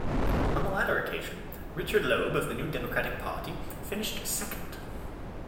On the latter occasion, Richard Loeb of the New Democratic Party finished second.